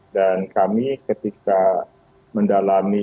dan kami ketika mendalami